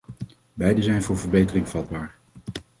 Beide zijn voor verbetering vatbaar.